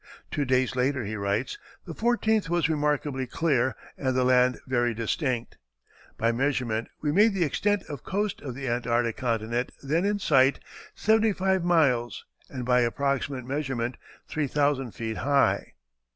Two days later he writes: "The 14th was remarkably clear and the land very distinct. By measurement we made the extent of coast of the Antarctic continent then in sight seventy five miles and by approximate measurement three thousand feet high."